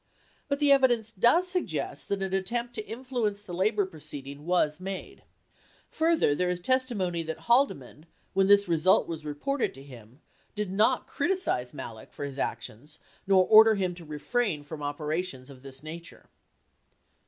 But the evidence does suggest that an attempt to influence the labor proceeding was made. Further, there is testimony that Haldeman, when this "result" was reported to him, did not criticize Malek for his actions nor order him to refrain from operations of this nature.